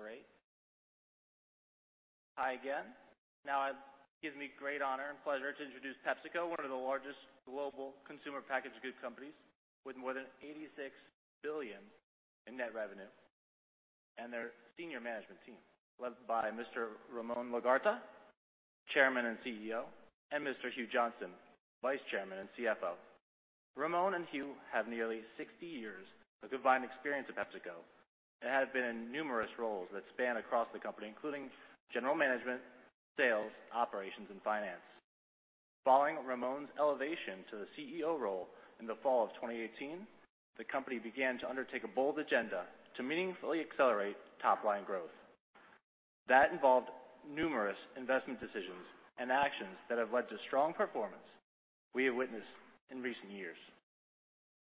Great. Hi again. Now it gives me great honor and pleasure to introduce PepsiCo, one of the largest global consumer packaged good companies with more than $86 billion in net revenue, and their senior management team led by Mr. Ramon Laguarta, Chairman and CEO, and Mr. Hugh Johnston, Vice Chairman and CFO. Ramon and Hugh have nearly 60 years of combined experience at PepsiCo, and have been in numerous roles that span across the company, including general management, sales, operations, and finance. Following Ramon's elevation to the CEO role in the fall of 2018, the company began to undertake a bold agenda to meaningfully accelerate top line growth. That involved numerous investment decisions and actions that have led to strong performance we have witnessed in recent years.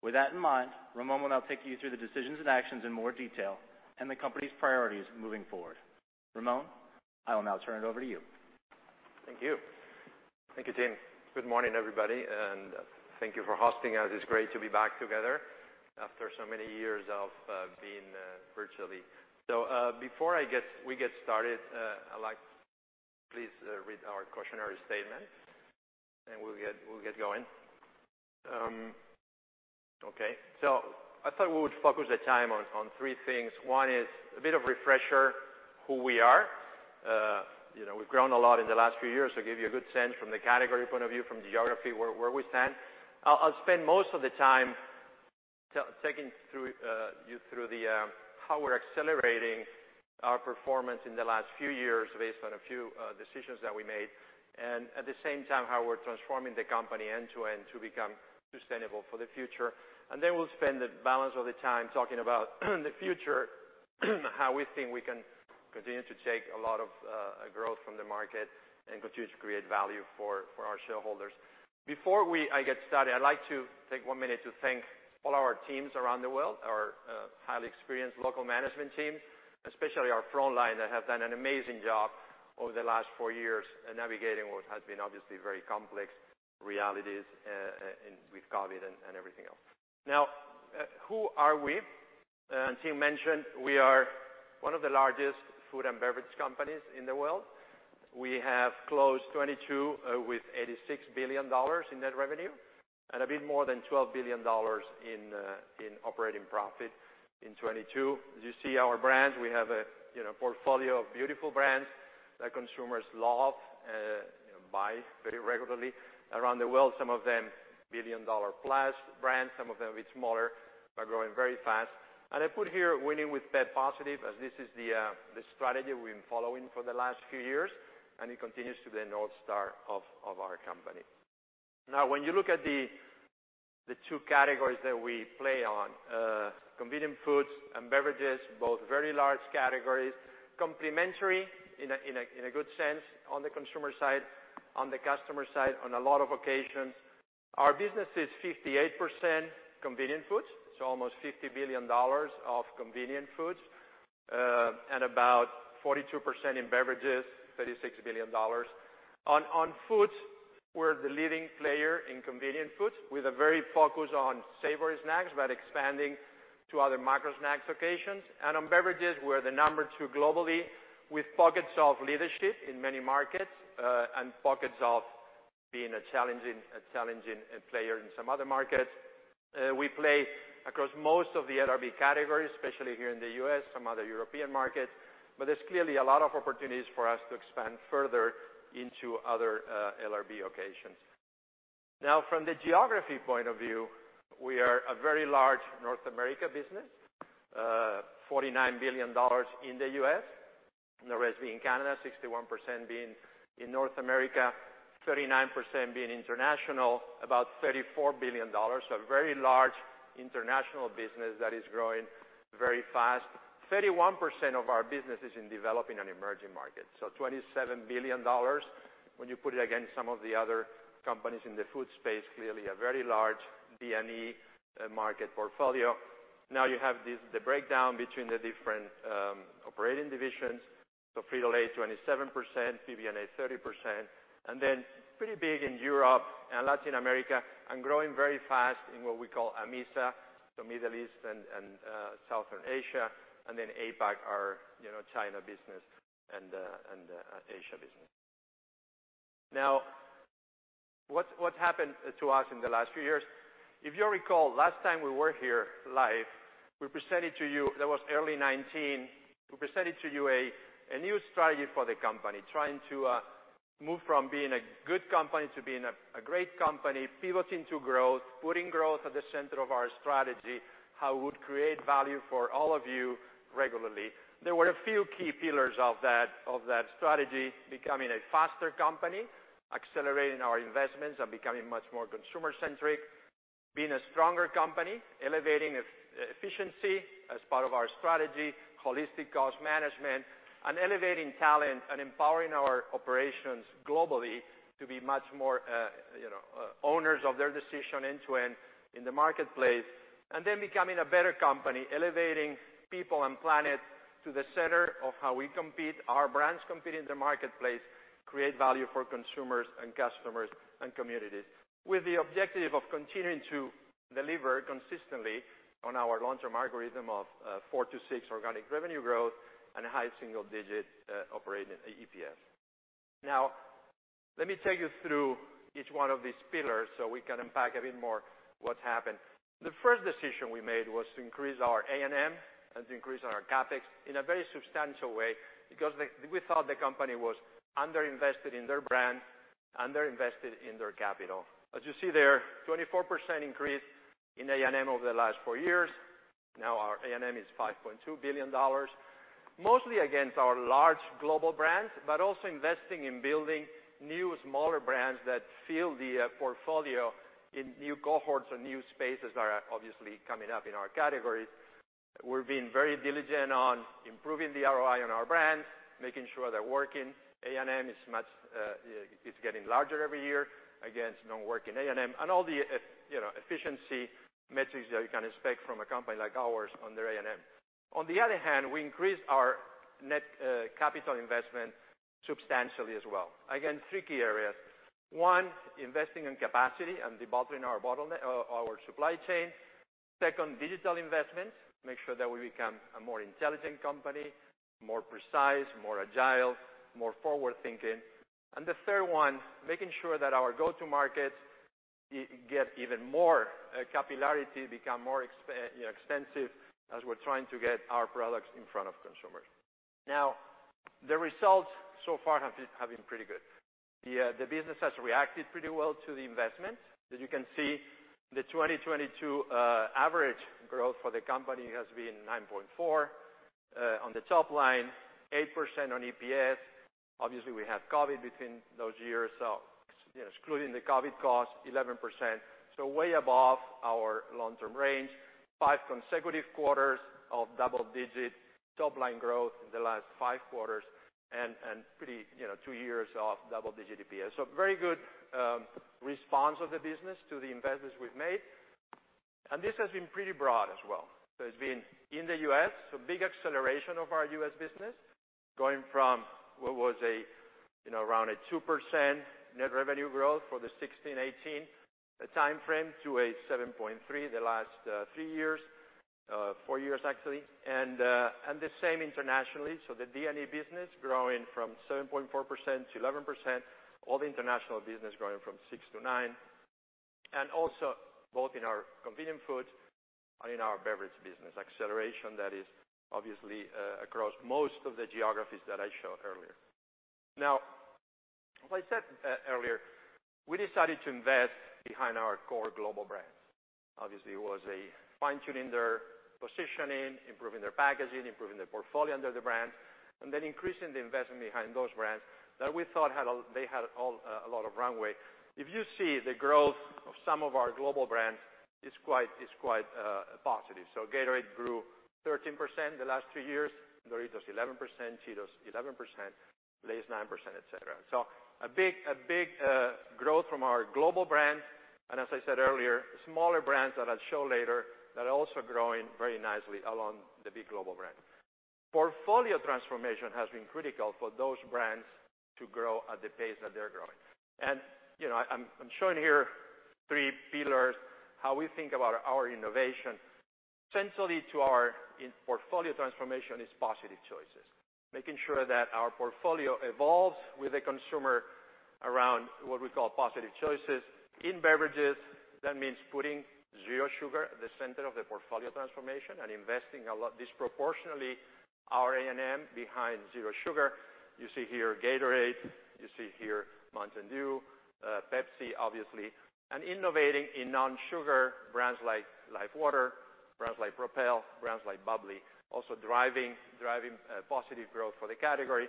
With that in mind, Ramon will now take you through the decisions and actions in more detail and the company's priorities moving forward. Ramon, I will now turn it over to you. Thank you. Thank you, Tim. Good morning, everybody, thank you for hosting us. It's great to be back together after so many years of being virtually. Before we get started, I like please read our cautionary statement and we'll get going. Okay. I thought we would focus the time on three things. One is a bit of refresher who we are. You know, we've grown a lot in the last few years, give you a good sense from the category point of view, from geography, where we stand. I'll spend most of the time taking through you through the how we're accelerating our performance in the last few years based on a few decisions that we made, and at the same time, how we're transforming the company end to end to become sustainable for the future. Then we'll spend the balance of the time talking about the future, how we think we can continue to take a lot of growth from the market and continue to create value for our shareholders. Before I get started, I'd like to take one minute to thank all our teams around the world, our highly experienced local management teams, especially our front line that have done an amazing job over the last four years navigating what has been obviously very complex realities in with COVID and everything else. Now, who are we? As Tim mentioned, we are one of the largest food and beverage companies in the world. We have closed 2022 with $86 billion in net revenue and a bit more than $12 billion in operating profit in 2022. As you see our brands, we have a, you know, portfolio of beautiful brands that consumers love, you know, buy very regularly around the world. Some of them billion-dollar plus brands, some of them a bit smaller, but growing very fast. I put here winning with pep+ as this is the strategy we've been following for the last few years, and it continues to be the North Star of our company. When you look at the two categories that we play on, convenient foods and beverages, both very large categories, complementary in a good sense on the consumer side, on the customer side, on a lot of occasions. Our business is 58% convenient foods, so almost $50 billion of convenient foods, and about 42% in beverages, $36 billion. On foods, we're the leading player in convenient foods with a very focus on savory snacks, but expanding to other micro-snacks occasions. On beverages, we're the number 2 globally with pockets of leadership in many markets, and pockets of being a challenging player in some other markets. We play across most of the LRB categories, especially here in the U.S., some other European markets. There's clearly a lot of opportunities for us to expand further into other LRB occasions. From the geography point of view, we are a very large North America business, $49 billion in the U.S., and the rest being Canada, 61% being in North America, 39% being international, about $34 billion. A very large international business that is growing very fast, 31% of our business is in developing and emerging markets. $27 billion. When you put it against some of the other companies in the food space, clearly a very large D&E market portfolio. You have the breakdown between the different operating divisions. Frito-Lay, 27%, PBNA, 30%, and then pretty big in Europe and Latin America, and growing very fast in what we call AMESA, Middle East and South Asia, and then APAC, our, you know, China business and Asia business. What happened to us in the last few years, if you'll recall, last time we were here live, we presented to you, that was early 2019, we presented to you a new strategy for the company, trying to move from being a good company to being a great company, pivoting to growth, putting growth at the center of our strategy, how it would create value for all of you regularly. There were a few key pillars of that strategy. Becoming a faster company, accelerating our investments and becoming much more consumer centric. Being a stronger company, elevating efficiency as part of our strategy, holistic cost management, and elevating talent and empowering our operations globally to be much more, you know, owners of their decision end to end in the marketplace. Becoming a better company, elevating people and planet to the center of how we compete, our brands compete in the marketplace, create value for consumers and customers and communities, with the objective of continuing to deliver consistently on our long-term algorithm of 4%-6% organic revenue growth and high single digit operating EPS. Let me take you through each one of these pillars so we can unpack a bit more what's happened. The first decision we made was to increase our A&M and to increase our CapEx in a very substantial way because we thought the company was under-invested in their brand, under-invested in their capital. As you see there, 24% increase in A&M over the last four years. Now our A&M is $5.2 billion. Mostly against our large global brands, but also investing in building new, smaller brands that fill the portfolio in new cohorts or new spaces that are obviously coming up in our categories. We're being very diligent on improving the ROI on our brands, making sure they're working. A&M is much, it's getting larger every year against non-working A&M and all the efficiency metrics that you can expect from a company like ours on their A&M. On the other hand, we increased our net capital investment substantially as well. Three key areas. One, investing in capacity and debottlenecking our supply chain. Second, digital investments. Make sure that we become a more intelligent company, more precise, more agile, more forward-thinking. The third one, making sure that our go-to-markets get even more capillarity, become more extensive as we're trying to get our products in front of consumers. The results so far have been pretty good. The business has reacted pretty well to the investment. As you can see, the 2022 average growth for the company has been 9.4 on the top line, 8% on EPS. Obviously, we have COVID within those years. Excluding the COVID costs, 11%. Way above our long-term range. 5 consecutive quarters of double-digit top line growth in the last five quarters and pretty, you know, two years of double-digit EPS. Very good response of the business to the investments we've made. This has been pretty broad as well. It's been in the U.S., big acceleration of our U.S. business, going from what was a, you know, around a 2% net revenue growth for the 2016-2018 timeframe to a 7.3% the last three years, four years, actually. The same internationally. The D&E business growing from 7.4% to 11%, all the international business growing from 6% to 9%. Also both in our convenient foods and in our beverage business. Acceleration that is obviously across most of the geographies that I showed earlier. As I said earlier, we decided to invest behind our core global brands. Obviously, it was a fine-tuning their positioning, improving their packaging, improving their portfolio under the brands, and then increasing the investment behind those brands that we thought had a lot of runway. If you see the growth of some of our global brands is quite positive. Gatorade grew 13% the last two years, Doritos 11%, Cheetos 11%, Lay's 9%, et cetera. A big growth from our global brands. As I said earlier, smaller brands that I'll show later that are also growing very nicely along the big global brands. Portfolio transformation has been critical for those brands to grow at the pace that they're growing. You know, I'm showing here three pillars, how we think about our innovation. Centrally to our portfolio transformation is Positive Choices, making sure that our portfolio evolves with the consumer around what we call Positive Choices. In beverages, that means putting Zero Sugar at the center of the portfolio transformation and investing a lot, disproportionately our A&M behind Zero Sugar. You see here Gatorade, you see here Mountain Dew, Pepsi, obviously, and innovating in non-sugar brands like LIFEWTR, brands like Propel, brands like bubly, also driving positive growth for the category.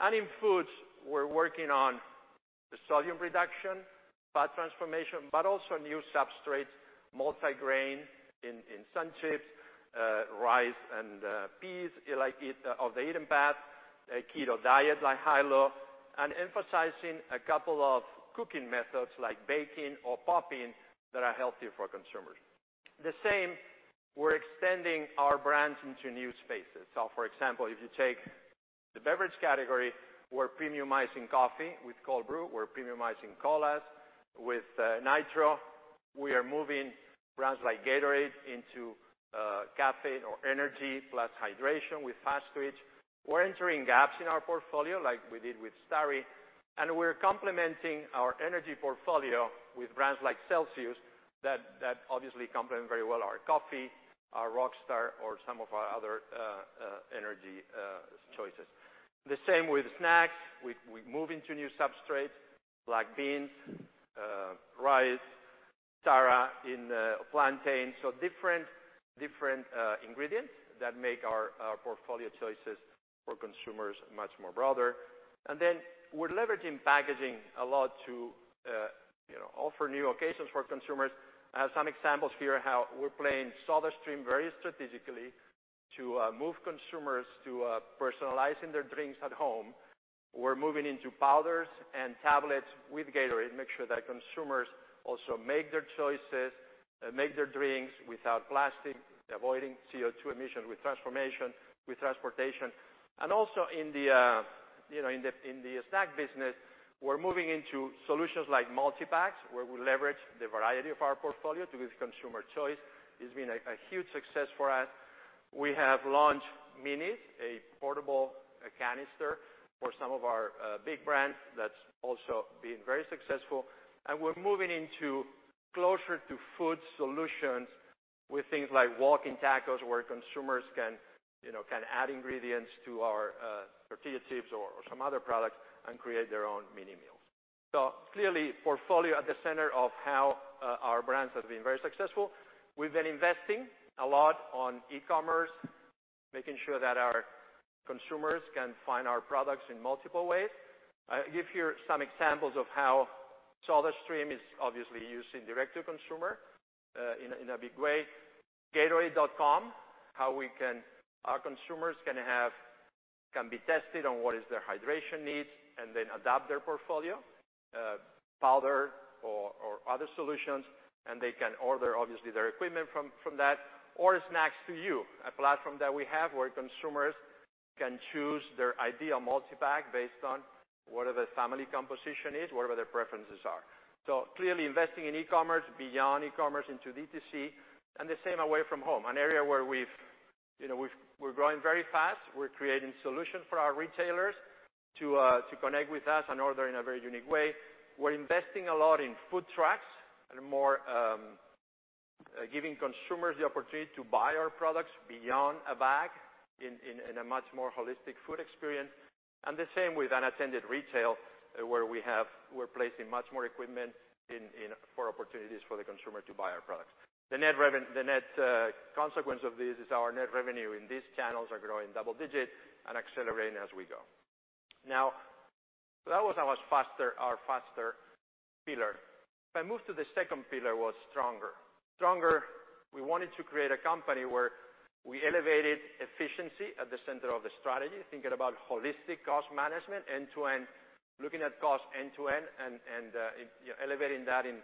In foods, we're working on the sodium reduction, fat transformation, but also new substrates, multi-grain in SunChips, rice and peas, like Off The Eaten Path, a keto diet like Hilo, and emphasizing a couple of cooking methods like baking or popping that are healthier for consumers. The same, we're extending our brands into new spaces. For example, if you take the beverage category, we're premiumizing coffee with Cold Brew, we're premiumizing colas with Nitro. We are moving brands like Gatorade into caffeine or energy plus hydration with Fast Twitch. We're entering gaps in our portfolio like we did with Starry, and we're complementing our energy portfolio with brands like Celsius that obviously complement very well our coffee, our Rockstar, or some of our other energy choices. The same with snacks. We move into new substrates like beans, rice, tara in the plantain. Different ingredients that make our portfolio choices for consumers much more broader. Then we're leveraging packaging a lot to, you know, offer new occasions for consumers. I have some examples here how we're playing SodaStream very strategically to move consumers to personalizing their drinks at home. We're moving into powders and tablets with Gatorade, make sure that consumers also make their choices, make their drinks without plastic, avoiding CO2 emission with transformation, with transportation. Also in the, you know, in the snack business, we're moving into solutions like multipacks, where we leverage the variety of our portfolio to give consumer choice. It's been a huge success for us. We have launched Minis, a portable canister for some of our big brands that's also been very successful. We're moving into closer to food solutions with things like Walking Tacos, where consumers can, you know, can add ingredients to our tortilla chips or some other products and create their own mini meals. Clearly, portfolio at the center of how our brands have been very successful. We've been investing a lot on e-commerce, making sure that our consumers can find our products in multiple ways. I give here some examples of how SodaStream is obviously used in direct to consumer in a big way. Gatorade.com, our consumers can be tested on what is their hydration needs and then adapt their portfolio, powder or other solutions, and they can order obviously their equipment from that, or Snacks To You, a platform that we have where consumers can choose their ideal multipack based on whatever their family composition is, whatever their preferences are. Clearly investing in e-commerce, beyond e-commerce into D2C, and the same away from home, an area where you know, we're growing very fast. We're creating solutions for our retailers to connect with us and order in a very unique way. We're investing a lot in food trucks and more giving consumers the opportunity to buy our products beyond a bag in a much more holistic food experience. The same with unattended retail, where we're placing much more equipment in for opportunities for the consumer to buy our products. The net consequence of this is our net revenue in these channels are growing double digit and accelerating as we go. That was our faster pillar. I move to the second pillar, was stronger. Stronger, we wanted to create a company where we elevated efficiency at the center of the strategy, thinking about holistic cost management end-to-end, looking at cost end-to-end, and, you know, elevating that in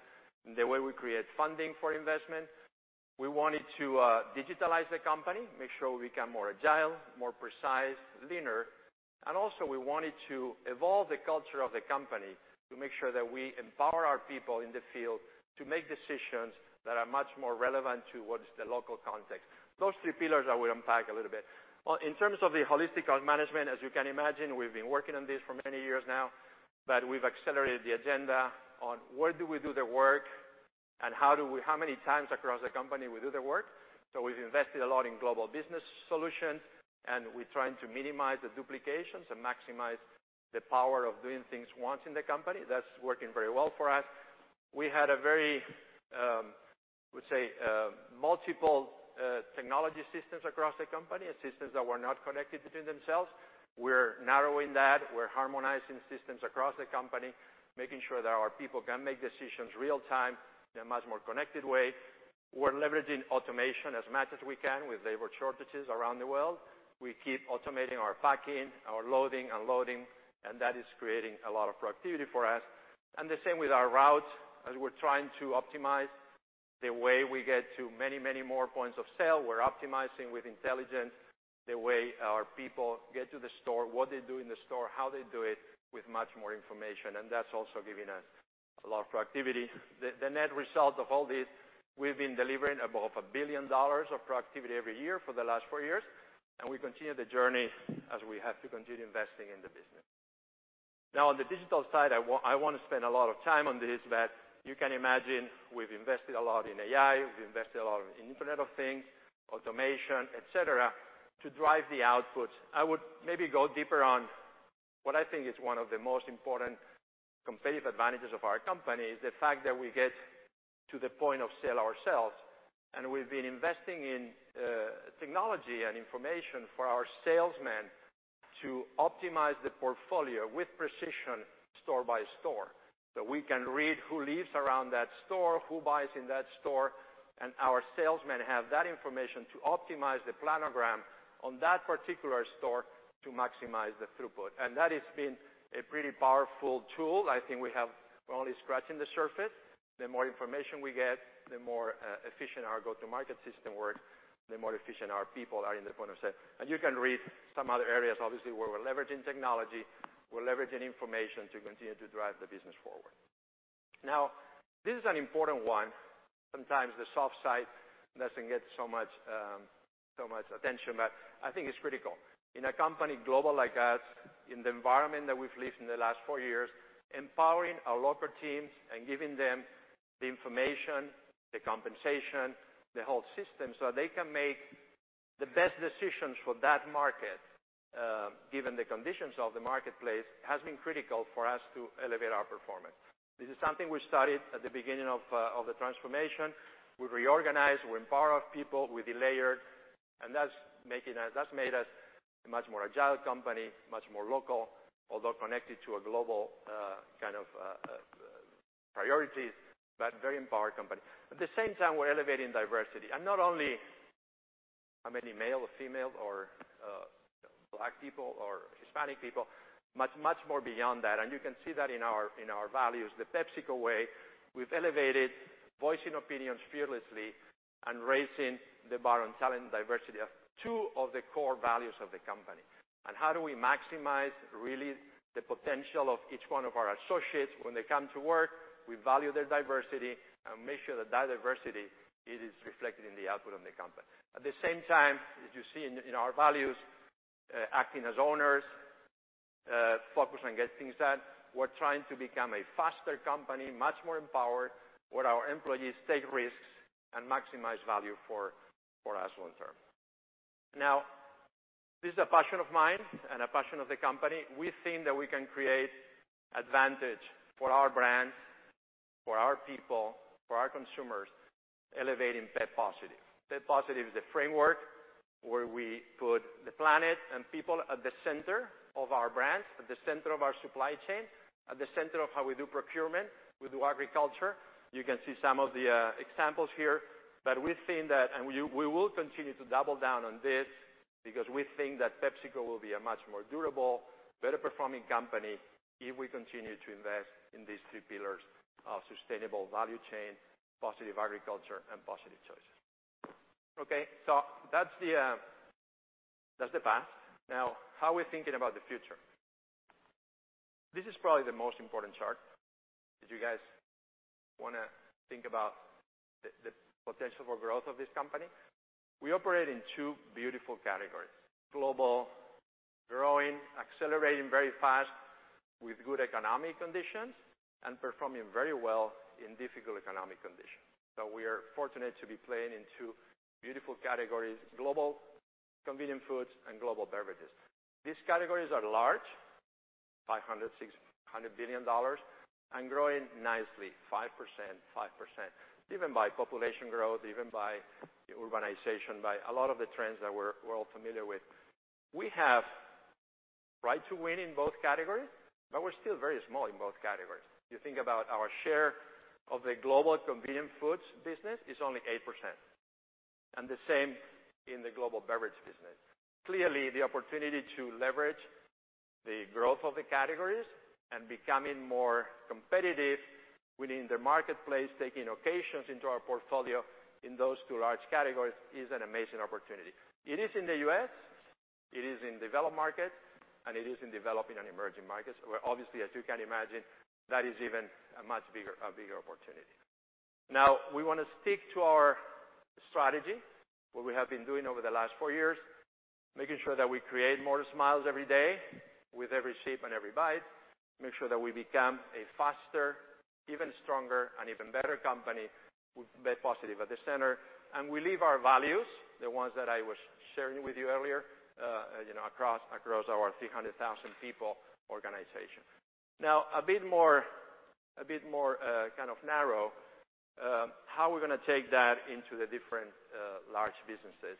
the way we create funding for investment. We wanted to digitalize the company, make sure we become more agile, more precise, leaner. Also, we wanted to evolve the culture of the company to make sure that we empower our people in the field to make decisions that are much more relevant towards the local context. Those three pillars I will unpack a little bit. In terms of the holistic cost management, as you can imagine, we've been working on this for many years now, but we've accelerated the agenda on where do we do the work and how many times across the company we do the work. We've invested a lot in Global Business Solutions, and we're trying to minimize the duplications and maximize the power of doing things once in the company. That's working very well for us. We had a very, I would say, multiple technology systems across the company, systems that were not connected between themselves. We're narrowing that. We're harmonizing systems across the company, making sure that our people can make decisions real-time in a much more connected way. We're leveraging automation as much as we can with labor shortages around the world. We keep automating our packing, our loading, unloading, and that is creating a lot of productivity for us. The same with our routes, as we're trying to optimize the way we get to many, many more points of sale. We're optimizing with intelligence the way our people get to the store, what they do in the store, how they do it with much more information, and that's also giving us a lot of productivity. The net result of all this, we've been delivering above $1 billion of productivity every year for the last four years, and we continue the journey as we have to continue investing in the business. Now on the digital side, I want to spend a lot of time on this, but you can imagine we've invested a lot in AI, we've invested a lot in Internet of Things, automation, et cetera, to drive the output. I would maybe go deeper on what I think is one of the most important competitive advantages of our company, is the fact that we get to the point of sale ourselves. We've been investing in technology and information for our salesmen to optimize the portfolio with precision store by store. We can read who lives around that store, who buys in that store, and our salesmen have that information to optimize the planogram on that particular store to maximize the throughput. That has been a pretty powerful tool. I think we're only scratching the surface. The more information we get, the more efficient our go-to-market system work, the more efficient our people are in the point of sale. You can read some other areas, obviously, where we're leveraging technology, we're leveraging information to continue to drive the business forward. This is an important one. Sometimes the soft side doesn't get so much attention, but I think it's critical. In a company global like us, in the environment that we've lived in the last four years, empowering our local teams and giving them the information, the compensation, the whole system, so they can make the best decisions for that market, given the conditions of the marketplace, has been critical for us to elevate our performance. This is something we started at the beginning of the transformation. We reorganized, we empowered people, we delayered, and that's made us a much more agile company, much more local, although connected to a global, kind of priorities, but very empowered company. At the same time, we're elevating diversity, and not only how many male or female or black people or Hispanic people, much, much more beyond that. You can see that in our, in our values, The PepsiCo Way. We've elevated voicing opinions fearlessly and raising the bar on talent and diversity are two of the core values of the company. How do we maximize really the potential of each one of our associates when they come to work? We value their diversity and make sure that diversity, it is reflected in the output of the company. At the same time, as you see in our values, acting as owners, focus on getting things done. We're trying to become a faster company, much more empowered, where our employees take risks and maximize value for us long term. This is a passion of mine and a passion of the company. We think that we can create advantage for our brands, for our people, for our consumers, elevating pep+. Pep+ is a framework where we put the planet and people at the center of our brands, at the center of our supply chain, at the center of how we do procurement, we do agriculture. You can see some of the examples here. We've seen that, and we will continue to double down on this because we think that PepsiCo will be a much more durable, better performing company if we continue to invest in these three pillars of sustainable value chain, positive agriculture, and positive choices. That's the past. How are we thinking about the future? This is probably the most important chart. If you guys wanna think about the potential for growth of this company. We operate in two beautiful categories. Global, growing, accelerating very fast with good economic conditions and performing very well in difficult economic conditions. We are fortunate to be playing in two beautiful categories, global convenient foods and global beverages. These categories are large, $500 billion-$600 billion, and growing nicely, 5%, 5%. Even by population growth, even by urbanization, by a lot of the trends that we're all familiar with. We have right to win in both categories, but we're still very small in both categories. You think about our share of the global convenient foods business is only 8%, and the same in the global beverage business. Clearly, the opportunity to leverage the growth of the categories and becoming more competitive within the marketplace, taking occasions into our portfolio in those two large categories is an amazing opportunity. It is in the U.S., it is in developed markets, and it is in developing and emerging markets, where obviously, as you can imagine, that is even a much bigger opportunity. We wanna stick to our strategy, what we have been doing over the last four years, making sure that we create more smiles every day with every sip and every bite, make sure that we become a faster, even stronger and even better company with pep+ at the center. We live our values, the ones that I was sharing with you earlier, you know, across our 300,000 people organization. A bit more, a bit more, kind of narrow, how we're gonna take that into the different, large businesses.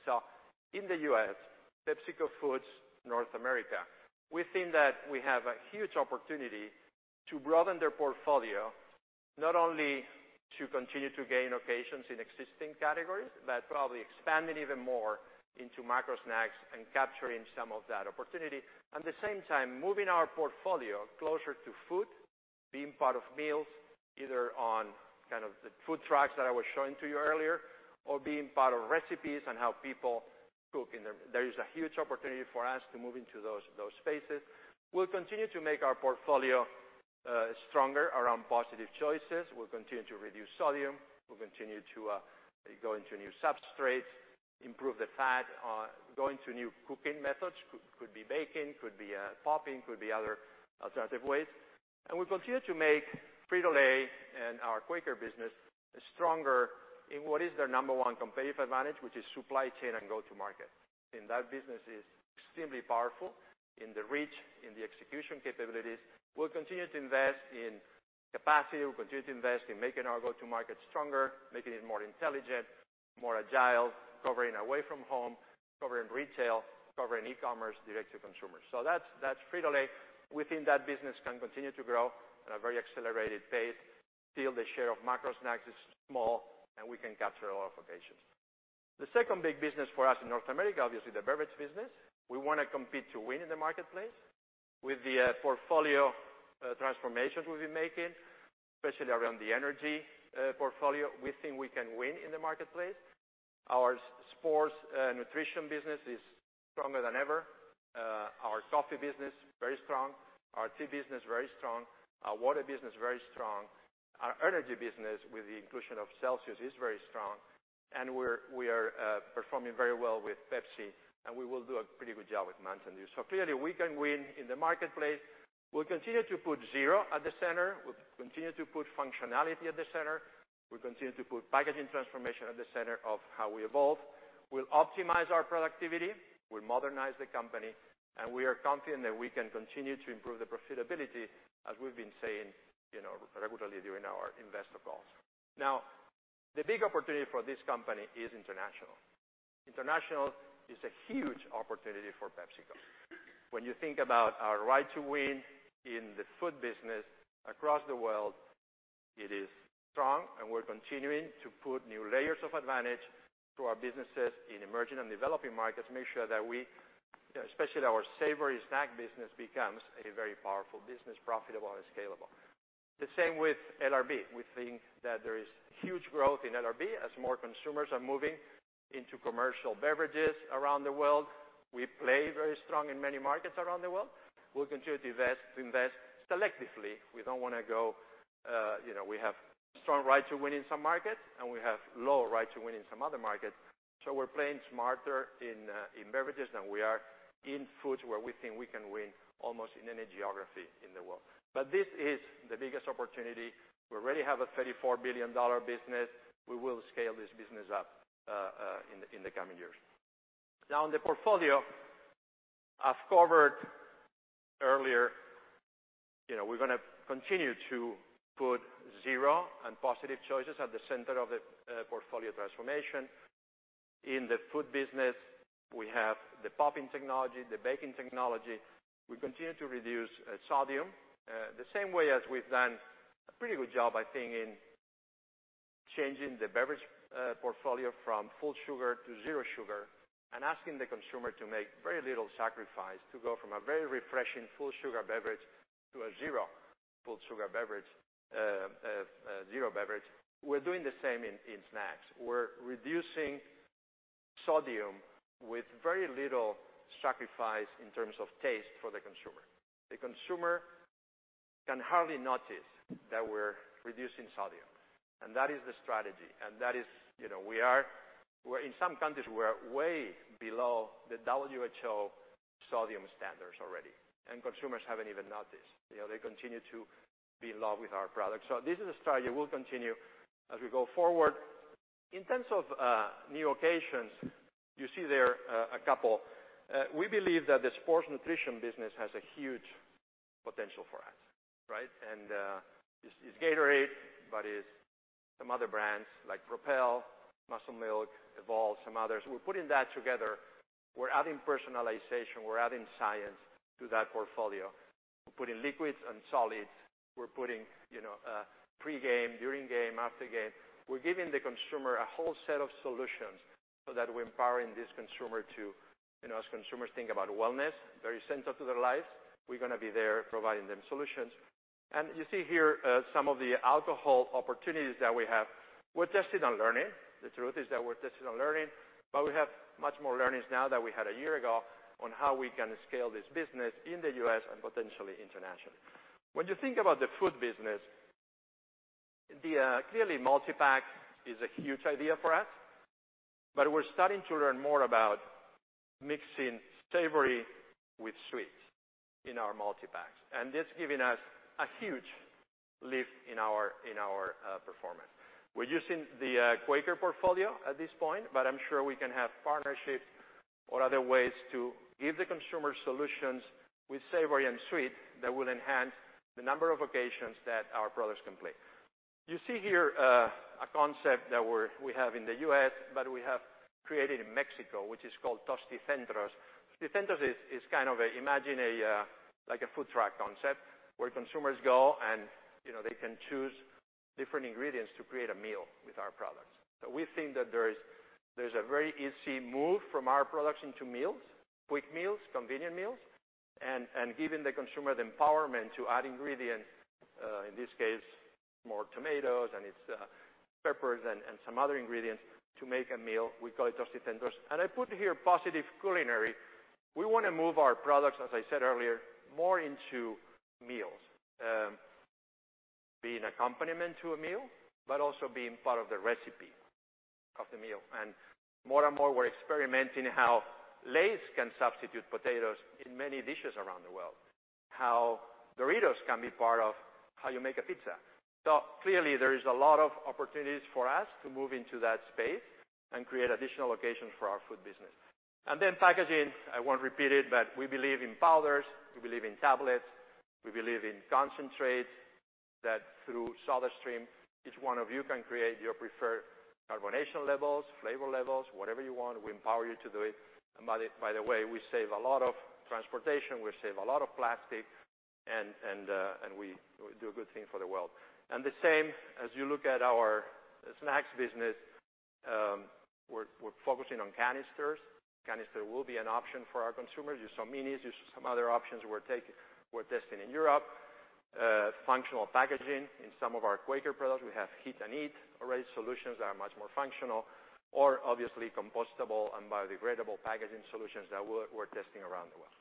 In the U.S., PepsiCo Foods, North America, we think that we have a huge opportunity to broaden their portfolio, not only to continue to gain occasions in existing categories, but probably expanding even more into macro-snacks and capturing some of that opportunity. At the same time, moving our portfolio closer to food, being part of meals, either on kind of the food trucks that I was showing to you earlier or being part of recipes and how people cook. There is a huge opportunity for us to move into those spaces. We'll continue to make our portfolio stronger around Positive Choices. We'll continue to reduce sodium. We'll continue to go into new substrates, improve the fat, go into new cooking methods. Could be baking, could be popping, could be other alternative ways. We'll continue to make Frito-Lay and our Quaker business stronger in what is their number one competitive advantage, which is supply chain and go-to-market. That business is extremely powerful in the reach, in the execution capabilities. We'll continue to invest in capacity. We'll continue to invest in making our go-to-market stronger, making it more intelligent, more agile, covering away from home, covering retail, covering e-commerce, direct to consumer. That's Frito-Lay. Within that business can continue to grow at a very accelerated pace. Still the share of macro-snacks is small, and we can capture a lot of occasions. The second big business for us in North America, obviously the beverage business. We wanna compete to win in the marketplace. With the portfolio transformations we've been making, especially around the energy portfolio, we think we can win in the marketplace. Our sports nutrition business is stronger than ever. Our coffee business, very strong. Our tea business, very strong. Our water business, very strong. Our energy business, with the inclusion of Celsius, is very strong. We are performing very well with Pepsi, and we will do a pretty good job with Mountain Dew. Clearly, we can win in the marketplace. We'll continue to put zero at the center. We'll continue to put functionality at the center. We'll continue to put packaging transformation at the center of how we evolve. We'll optimize our productivity. We'll modernize the company, and we are confident that we can continue to improve the profitability, as we've been saying, you know, regularly during our investor calls. The big opportunity for this company is international. International is a huge opportunity for PepsiCo. When you think about our right to win in the food business across the world. It is strong. We're continuing to put new layers of advantage to our businesses in emerging and developing markets to make sure that we, especially our savory snack business, becomes a very powerful business, profitable and scalable. The same with LRB. We think that there is huge growth in LRB as more consumers are moving into commercial beverages around the world. We play very strong in many markets around the world. We'll continue to invest, to invest selectively. We don't want to go, you know, we have strong right to win in some markets. We have low right to win in some other markets. We're playing smarter in beverages than we are in foods where we think we can win almost in any geography in the world. This is the biggest opportunity. We already have a $34 billion business. We will scale this business up in the coming years. On the portfolio, I've covered earlier, you know, we're gonna continue to put zero and positive choices at the center of the portfolio transformation. In the food business, we have the popping technology, the baking technology. We continue to reduce sodium the same way as we've done a pretty good job, I think, in changing the beverage portfolio from full sugar to zero sugar and asking the consumer to make very little sacrifice to go from a very refreshing full sugar beverage to a zero full sugar beverage, zero beverage. We're doing the same in snacks. We're reducing sodium with very little sacrifice in terms of taste for the consumer. The consumer can hardly notice that we're reducing sodium, that is the strategy. That is, you know, in some countries, we're way below the WHO sodium standards already, and consumers haven't even noticed. You know, they continue to be in love with our products. This is a strategy we'll continue as we go forward. In terms of new occasions, you see there a couple. We believe that the sports nutrition business has a huge potential for us, right? It's Gatorade, but it's some other brands like Propel, Muscle Milk, Evolve, some others. We're putting that together. We're adding personalization. We're adding science to that portfolio. We're putting liquids and solids. We're putting, you know, pre-game, during game, after game. We're giving the consumer a whole set of solutions so that we're empowering this consumer to, you know, as consumers think about wellness, very central to their lives, we're gonna be there providing them solutions. You see here, some of the alcohol opportunities that we have. We're testing and learning. The truth is that we're testing and learning, but we have much more learnings now than we had a year ago on how we can scale this business in the U.S. and potentially internationally. When you think about the food business, clearly multi-pack is a huge idea for us, but we're starting to learn more about mixing savory with sweets in our multi-packs. It's giving us a huge lift in our performance. We're using the Quaker portfolio at this point. I'm sure we can have partnerships or other ways to give the consumer solutions with savory and sweet that will enhance the number of occasions that our products can play. You see here a concept that we have in the U.S., but we have created in Mexico, which is called Tosticentros. Tosticentros is kind of a, imagine a like a food truck concept where consumers go and, you know, they can choose different ingredients to create a meal with our products. We think that there's a very easy move from our products into meals, quick meals, convenient meals, and giving the consumer the empowerment to add ingredients, in this case, more tomatoes and it's peppers and some other ingredients to make a meal. We call it Tosticentros. I put here positive culinary. We want to move our products, as I said earlier, more into meals, being accompaniment to a meal, but also being part of the recipe of the meal. More and more, we're experimenting how Lay's can substitute potatoes in many dishes around the world, how Doritos can be part of how you make a pizza. Clearly, there is a lot of opportunities for us to move into that space and create additional occasions for our food business. Then packaging, I won't repeat it, but we believe in powders, we believe in tablets, we believe in concentrates, that through SodaStream, each one of you can create your preferred carbonation levels, flavor levels, whatever you want. We empower you to do it. By the way, we save a lot of transportation, we save a lot of plastic, and we do a good thing for the world. The same, as you look at our snacks business, we're focusing on canisters. Canister will be an option for our consumers. You saw Minis, you saw some other options we're testing in Europe. Functional packaging. In some of our Quaker products, we have heat and eat, already solutions that are much more functional or obviously compostable and biodegradable packaging solutions that we're testing around the world.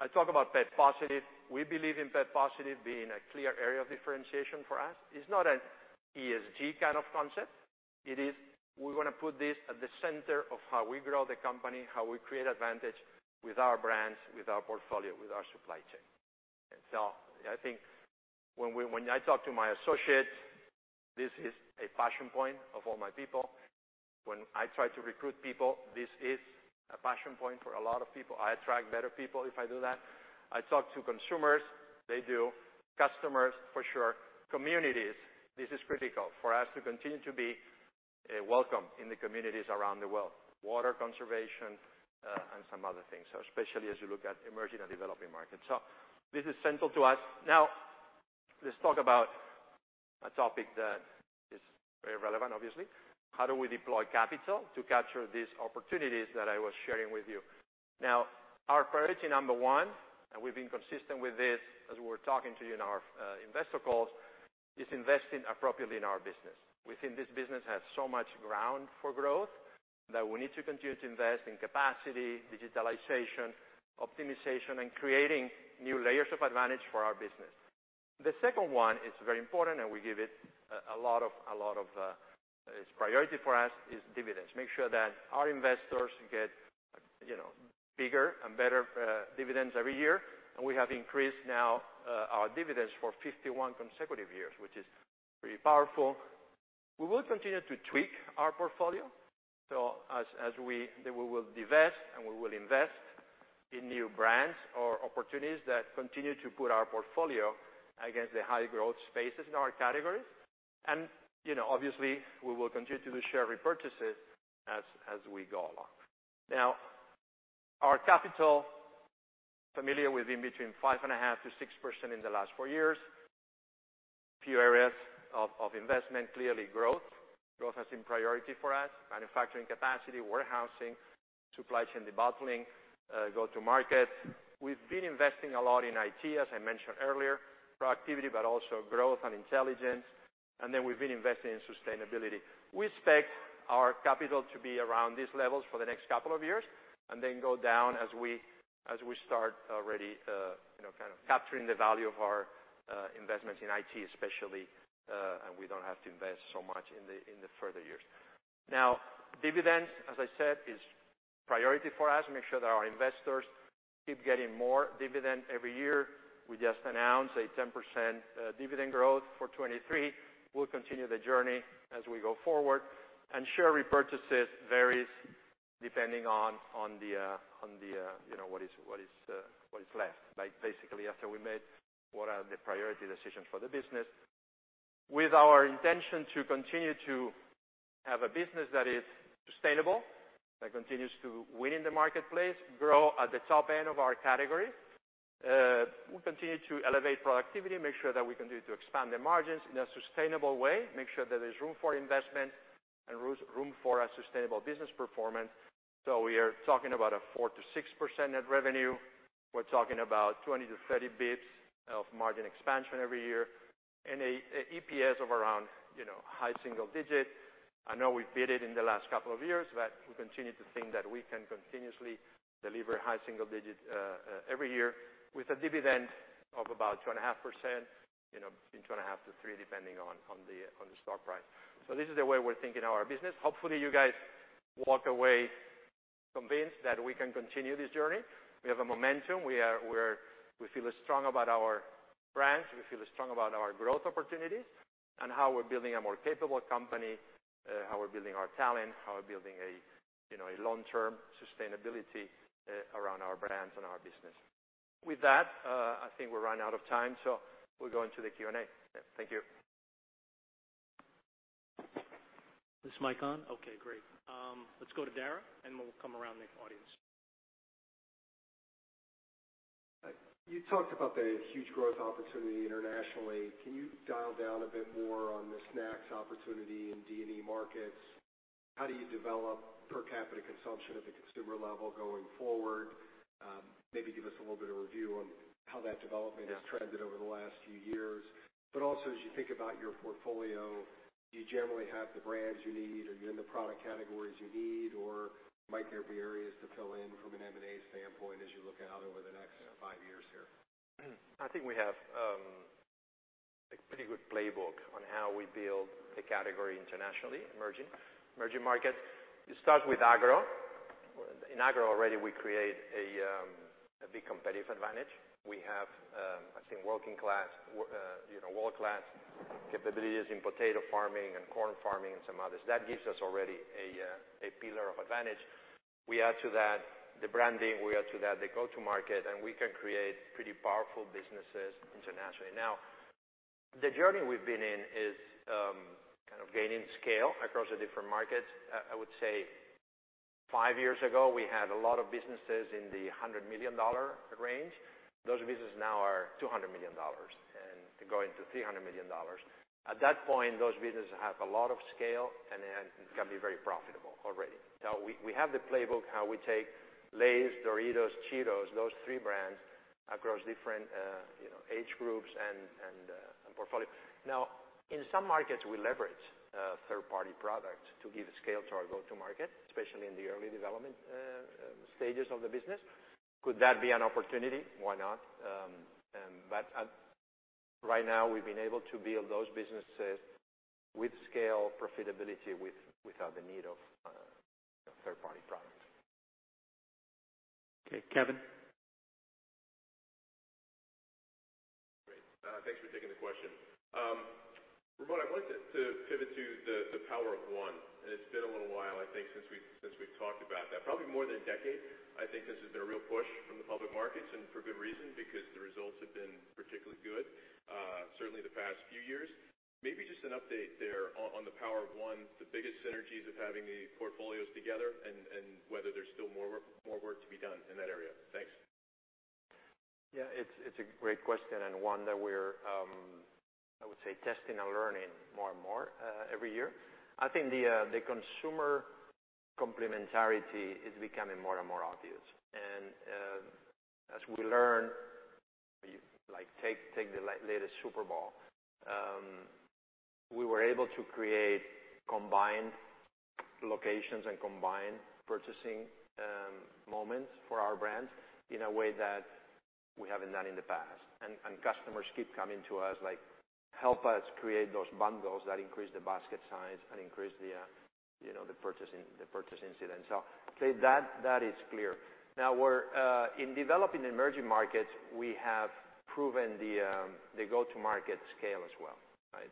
I talk about pep+. We believe in pep+ being a clear area of differentiation for us. It's not an ESG kind of concept. It is, we wanna put this at the center of how we grow the company, how we create advantage with our brands, with our portfolio, with our supply chain. I think when I talk to my associates, this is a passion point of all my people. When I try to recruit people, this is a passion point for a lot of people. I attract better people if I do that. I talk to consumers, they do. Customers, for sure. Communities. This is critical for us to continue to be welcome in the communities around the world. Water conservation, and some other things, especially as you look at emerging and developing markets. This is central to us. Let's talk about a topic that is very relevant, obviously, how do we deploy capital to capture these opportunities that I was sharing with you. Our priority number one, and we've been consistent with this as we're talking to you in our investor calls, is investing appropriately in our business. We think this business has so much ground for growth that we need to continue to invest in capacity, digitalization, optimization, and creating new layers of advantage for our business. The second one is very important, and we give it it's priority for us, is dividends. Make sure that our investors get, you know, bigger and better dividends every year. We have increased now our dividends for 51 consecutive years, which is pretty powerful. We will continue to tweak our portfolio. We will divest and we will invest in new brands or opportunities that continue to put our portfolio against the high-growth spaces in our categories. You know, obviously, we will continue to do share repurchases as we go along. Our capital, familiar with in between 5.5%-6% in the last four years. Few areas of investment, clearly growth. Growth has been priority for us. Manufacturing capacity, warehousing, supply chain debottling, go-to-market. We've been investing a lot in IT, as I mentioned earlier, productivity, but also growth and intelligence. Then we've been investing in sustainability. We expect our capital to be around these levels for the next couple of years and then go down as we start already, you know, kind of capturing the value of our investments in IT, especially, and we don't have to invest so much in the further years. Dividends, as I said, is priority for us. Make sure that our investors keep getting more dividend every year. We just announced a 10% dividend growth for 2023. We'll continue the journey as we go forward. Share repurchases varies depending on the, you know, what is left. Like, basically after we made what are the priority decisions for the business. With our intention to continue to have a business that is sustainable, that continues to win in the marketplace, grow at the top end of our category, we'll continue to elevate productivity, make sure that we continue to expand the margins in a sustainable way, make sure that there's room for investment and room for a sustainable business performance. We are talking about a 4%-6% net revenue. We're talking about 20-30 bps of margin expansion every year and a EPS of around, you know, high single-digit. I know we beat it in the last couple of years, we continue to think that we can continuously deliver high single-digit every year with a dividend of about 2.5%, you know, between 2.5%-3%, depending on the stock price. This is the way we're thinking our business. Hopefully, you guys walk away convinced that we can continue this journey. We have a momentum. We are, we feel strong about our brands, we feel strong about our growth opportunities and how we're building a more capable company, how we're building our talent, how we're building a, you know, a long-term sustainability around our brands and our business. With that, I think we're running out of time. We'll go into the Q&A. Thank you. This mic on? Okay, great. Let's go to Dara, we'll come around the audience. You talked about the huge growth opportunity internationally. Can you dial down a bit more on the snacks opportunity in D&E markets? How do you develop per capita consumption at the consumer level going forward? Maybe give us a little bit of review on how that development has trended over the last few years. Also, as you think about your portfolio, do you generally have the brands you need, or you're in the product categories you need, or might there be areas to fill in from an M&A standpoint as you look out over the next five years here? I think we have a pretty good playbook on how we build the category internationally, emerging markets. You start with agro. In agro already, we create a big competitive advantage. We have, I think working-class, you know, world-class capabilities in potato farming and corn farming, and some others. That gives us already a pillar of advantage. We add to that the branding, we add to that the go-to-market, we can create pretty powerful businesses internationally. The journey we've been in is kind of gaining scale across the different markets. I would say five years ago, we had a lot of businesses in the $100 million range. Those businesses now are $200 million and going to $300 million. At that point, those businesses have a lot of scale, and they can be very profitable already. We have the playbook how we take Lay's, Doritos, Cheetos, those three brands across different, you know, age groups and portfolio. In some markets, we leverage third-party products to give scale to our go-to-market, especially in the early development stages of the business. Could that be an opportunity? Why not? Right now we've been able to build those businesses with scale profitability without the need of third-party products. Okay, Kevin. Great. thanks for taking the question. Ramon, I'd like to pivot to the Power of One. Probably more than a decade, I think this has been a real push from the public markets, and for good reason, because the results have been particularly good, certainly the past few years. Maybe just an update there on the Power of One, the biggest synergies of having the portfolios together and whether there's still more work to be done in that area. Thanks. Yeah, it's a great question and one that we're, I would say testing and learning more and more every year. I think the consumer complementarity is becoming more and more obvious. As we learn, like take the latest Super Bowl. We were able to create combined locations and combined purchasing moments for our brands in a way that we haven't done in the past. Customers keep coming to us like, help us create those bundles that increase the basket size and increase the, you know, the purchasing incidents. That is clear. Now we're in developing emerging markets, we have proven the go-to-market scale as well, right?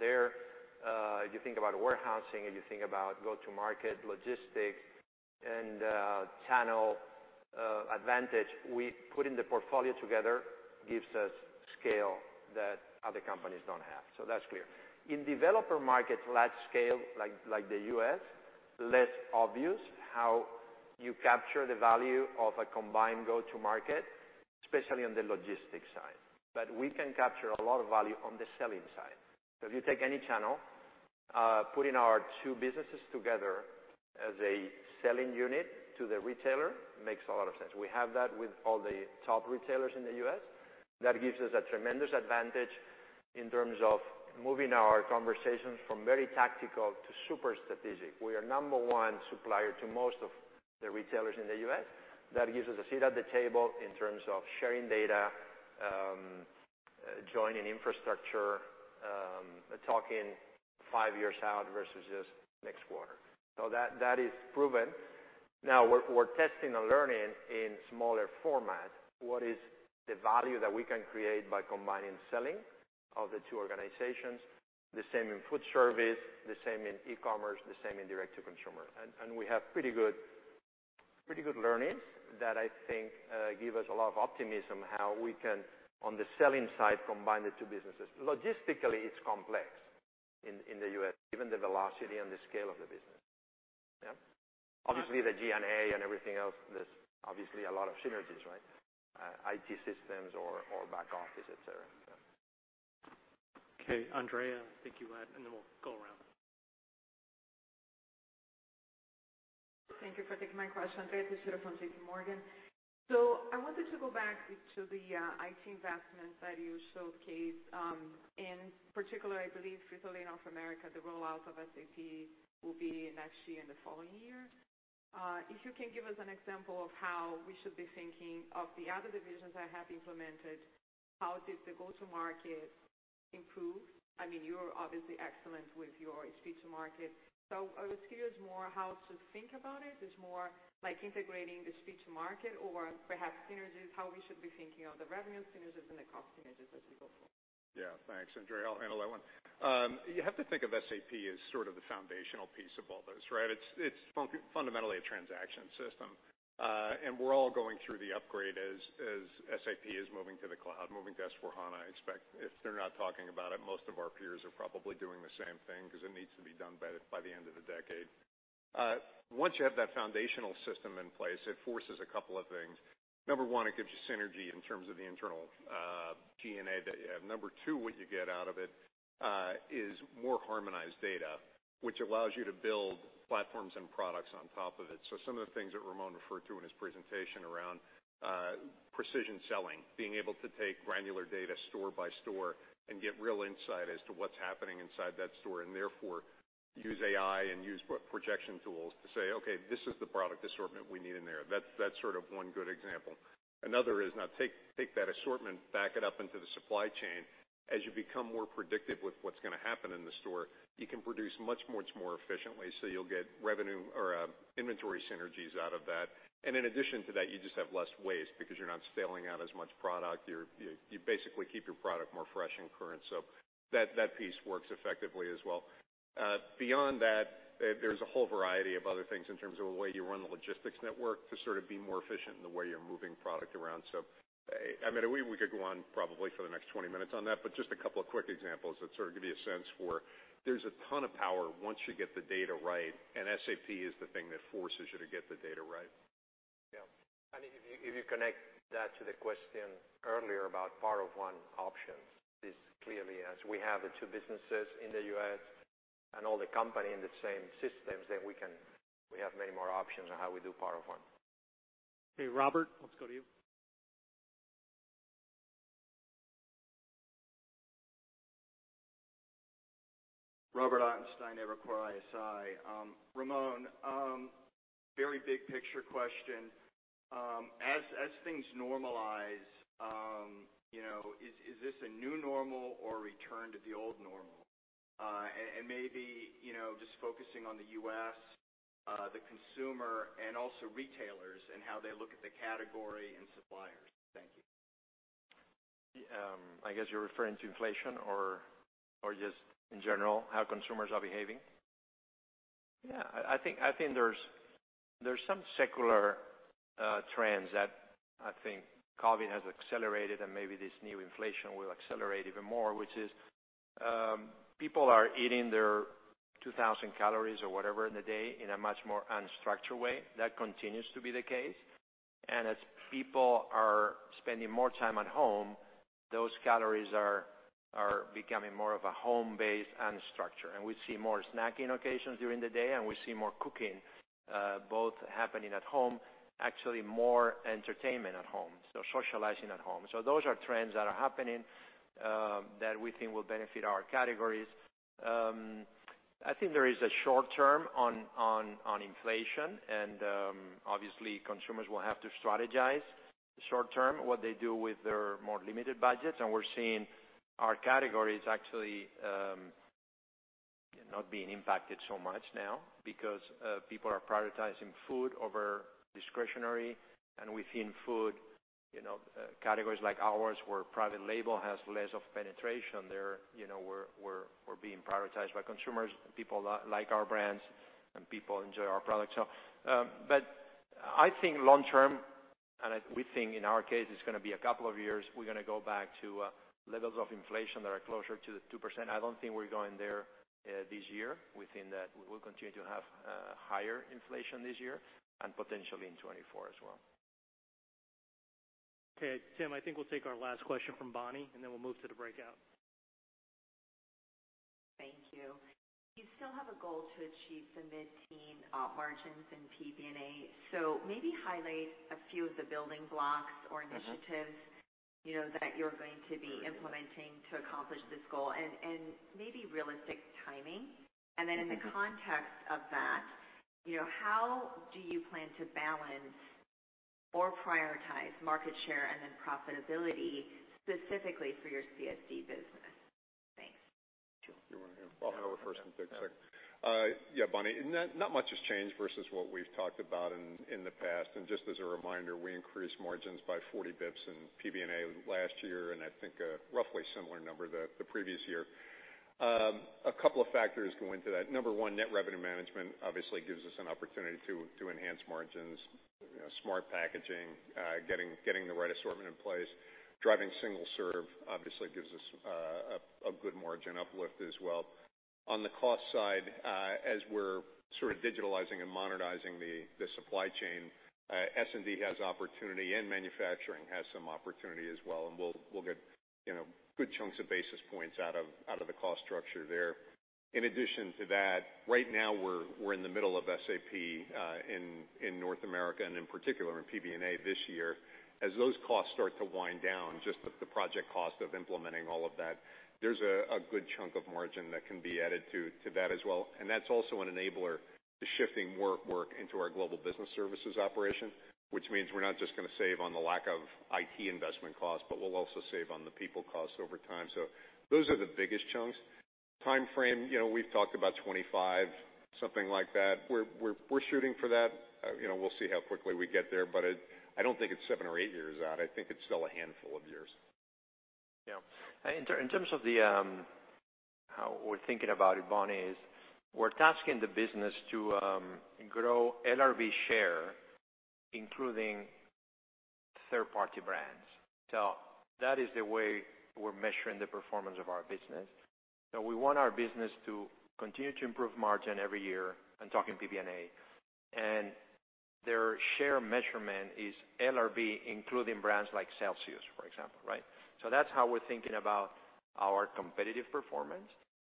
There, if you think about warehousing and you think about go-to-market logistics and channel advantage, we put in the portfolio together gives us scale that other companies don't have. That's clear. In developer markets, large scale like the U.S., less obvious how you capture the value of a combined go-to-market, especially on the logistics side. We can capture a lot of value on the selling side. If you take any channel, putting our two businesses together as a selling unit to the retailer makes a lot of sense. We have that with all the top retailers in the U.S. That gives us a tremendous advantage in terms of moving our conversations from very tactical to super strategic. We are number one supplier to most of the retailers in the U.S. That gives us a seat at the table in terms of sharing data, joining infrastructure, talking five years out versus just next quarter. That is proven. Now we're testing and learning in smaller format, what is the value that we can create by combining selling of the two organizations, the same in food service, the same in e-commerce, the same in direct to consumer. We have pretty good learnings that I think give us a lot of optimism how we can, on the selling side, combine the two businesses. Logistically, it's complex in the U.S., given the velocity and the scale of the business. Yeah. Obviously, the G&A and everything else, there's obviously a lot of synergies, right? IT systems or back office, et cetera. Okay, Andrea, I think you had. Then we'll go around. Thank you for taking my question. Andrea Teixeira from JPMorgan. I wanted to go back to the IT investment that you showcased, in particular, I believe, Frito-Lay North America, the rollout of SAP will be next year and the following year. If you can give us an example of how we should be thinking of the other divisions that have implemented, how did the go-to-market improve? I mean, you're obviously excellent with your speed to market. I was curious more how to think about it. It's more like integrating the speed to market or perhaps synergies, how we should be thinking of the revenue synergies and the cost synergies as we go forward. Yeah, thanks, Andrea. I'll handle that one. You have to think of SAP as sort of the foundational piece of all this, right? It's fundamentally a transaction system. We're all going through the upgrade as SAP is moving to the cloud, moving to SAP S/4HANA. I expect if they're not talking about it, most of our peers are probably doing the same thing ’cause it needs to be done by the end of the decade. Once you have that foundational system in place, it forces a couple of things. Number one, it gives you synergy in terms of the internal G&A that you have. Number two, what you get out of it is more harmonized data, which allows you to build platforms and products on top of it. Some of the things that Ramon referred to in his presentation around precision selling. Being able to take granular data store by store and get real insight as to what's happening inside that store, and therefore use AI and use pro-projection tools to say, okay, this is the product assortment we need in there. That's sort of one good example. Another is now take that assortment, back it up into the supply chain. As you become more predictive with what's gonna happen in the store, you can produce much more efficiently, so you'll get revenue or inventory synergies out of that. In addition to that, you just have less waste because you're not scaling out as much product. You basically keep your product more fresh and current. That piece works effectively as well. Beyond that, there's a whole variety of other things in terms of the way you run the logistics network to sort of be more efficient in the way you're moving product around. I mean, we could go on probably for the next 20 minutes on that, but just a couple of quick examples that sort of give you a sense for there's a ton of power once you get the data right, and SAP is the thing that forces you to get the data right. Yeah. If you connect that to the question earlier about Power of One options, this clearly, as we have the two businesses in the U.S. and all the company in the same systems, we have many more options on how we do Power of One. Okay, Robert, let's go to you. Robert Ottenstein, Evercore ISI. Ramon, very big picture question. As things normalize, you know, is this a new normal or return to the old normal? Maybe, you know, just focusing on the U.S., the consumer and also retailers and how they look at the category and suppliers. Thank you. I guess you're referring to inflation or just in general, how consumers are behaving? Yeah, I think there's some secular trends that I think COVID has accelerated and maybe this new inflation will accelerate even more, which is, people are eating their 2,000 calories or whatever in the day in a much more unstructured way. That continues to be the case. As people are spending more time at home, those calories are becoming more of a home-based unstructure. We see more snacking occasions during the day, and we see more cooking, both happening at home, actually more entertainment at home, so socializing at home. Those are trends that are happening, that we think will benefit our categories. I think there is a short term on inflation, obviously, consumers will have to strategize short term what they do with their more limited budgets. We're seeing our categories actually, not being impacted so much now because people are prioritizing food over discretionary. Within food, you know, categories like ours, where private label has less of penetration there, you know, we're being prioritized by consumers. People like our brands, and people enjoy our products. I think long term, we think in our case, it's gonna be a couple of years, we're gonna go back to levels of inflation that are closer to 2%. I don't think we're going there this year. We think that we will continue to have higher inflation this year and potentially in 2024 as well. Okay, Tim, I think we'll take our last question from Bonnie, and then we'll move to the breakout. Thank you. You still have a goal to achieve the mid-teen op margins in PBNA. Maybe highlight a few of the building blocks or initiatives. Mm-hmm. You know, that you're going to be implementing to accomplish this goal and maybe realistic timing. In the context of that, you know, how do you plan to balance or prioritize market share and then profitability, specifically for your CSD business? Thanks. Sure. You wanna go? I'll handle it first and then pick, yeah, Bonnie. Not much has changed versus what we've talked about in the past. Just as a reminder, we increased margins by 40 bps in PBNA last year, and I think a roughly similar number the previous year. A couple of factors go into that. Number one, net revenue management obviously gives us an opportunity to enhance margins. You know, smart packaging, getting the right assortment in place. Driving single serve obviously gives us a good margin uplift as well. On the cost side, as we're sort of digitalizing and modernizing the supply chain, S&D has opportunity, and manufacturing has some opportunity as well, and we'll get, you know, good chunks of basis points out of the cost structure there. In addition to that, right now we're in the middle of SAP in North America and in particular in PBNA this year. As those costs start to wind down, just the project cost of implementing all of that, there's a good chunk of margin that can be added to that as well. That's also an enabler to shifting more work into our Global Business Services operation, which means we're not just gonna save on the lack of IT investment costs, but we'll also save on the people costs over time. Those are the biggest chunks. Timeframe, you know, we've talked about 25, something like that. We're shooting for that. You know, we'll see how quickly we get there, but I don't think it's seven or eight years out. I think it's still a handful of years. Yeah. In terms of the how we're thinking about it, Bonnie, is we're tasking the business to grow LRV share, including third-party brands. That is the way we're measuring the performance of our business. We want our business to continue to improve margin every year, I'm talking PBNA. Their share measurement is LRV, including brands like Celsius, for example, right? That's how we're thinking about our competitive performance.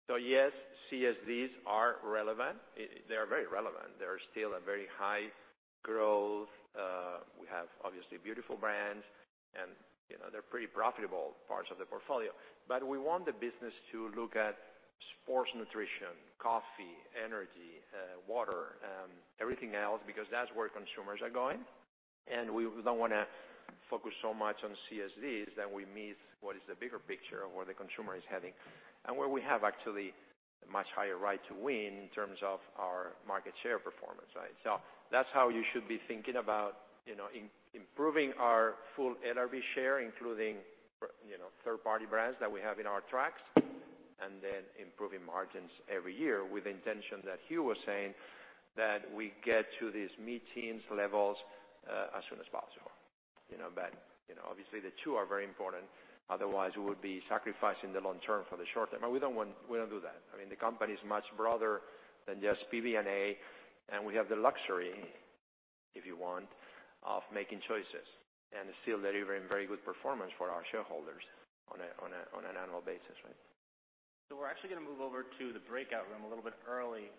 Yes, CSDs are relevant. They are very relevant. They are still a very high growth. We have obviously beautiful brands and, you know, they're pretty profitable parts of the portfolio. We want the business to look at sports nutrition, coffee, energy, water, everything else, because that's where consumers are going. We don't wanna focus so much on CSDs that we miss what is the bigger picture of where the consumer is heading and where we have actually much higher right to win in terms of our market share performance, right? That's how you should be thinking about, you know, improving our full LRB share, including, you know, third-party brands that we have in our tracks, and then improving margins every year with the intention that Hugh was saying that we get to these mid-teens levels as soon as possible. You know, obviously the two are very important. Otherwise, we would be sacrificing the long term for the short term. We don't do that. I mean, the company is much broader than just PBNA, and we have the luxury, if you want, of making choices and still delivering very good performance for our shareholders on an annual basis, right? We're actually gonna move over to the breakout room a little bit early.